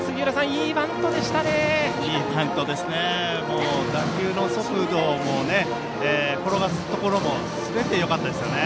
いいバントですね。